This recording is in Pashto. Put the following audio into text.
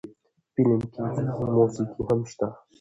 فلم کښې موسيقي هم شته